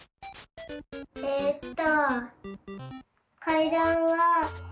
えっと。